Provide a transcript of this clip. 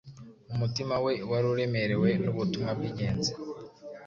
Umutima we wari uremerewe n’ubutumwa bw’ingenzi